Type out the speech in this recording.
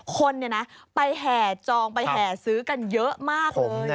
คนไปแห่จองไปแห่ซื้อกันเยอะมากเลย